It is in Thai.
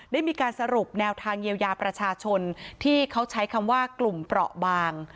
ได้มีการสรุปแนวทางเยียวยาประชาชนที่เขาใช้คำว่ากลุ่มเปราะบาง